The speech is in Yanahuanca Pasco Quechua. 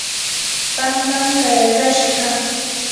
pampam kayakashqa.